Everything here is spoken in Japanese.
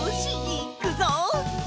いっくぞ！